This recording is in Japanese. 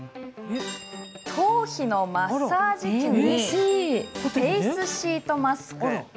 頭皮のマッサージ器やフェースシートマスク。